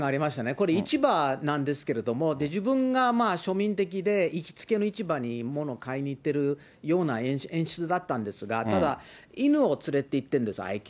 これ、市場なんですけれども、自分が庶民的で行きつけの市場に物を買いに行っているような演出だったんですが、ただ、犬を連れて行ってるんです、愛犬。